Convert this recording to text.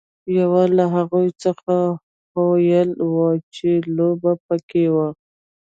یوه له هغو څخه هویل وه چې لوبه پکې وه.